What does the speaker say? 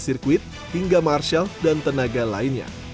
ke area sirkuit hingga marshal dan tenaga lainnya